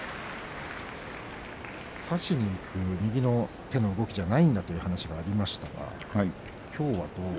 差しにいく右の手の動きではないんだという話がありました。